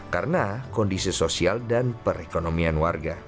karena kondisi sosial dan perekonomian warga